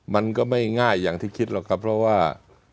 มันก็ไม่ง่ายอย่างที่คิดหรอกครับเพราะว่า